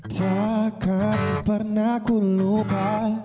takkan pernah ku lupa